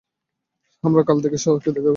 আমরা কাল তার সাথে দেখা করছি।